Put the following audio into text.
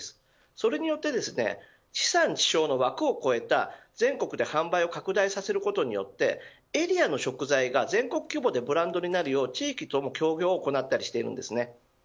それによって地産地消の枠を超えた全国で販売を拡大させることによってエリアの食材が全国規模でブランドになるよう地域との協業を行っています。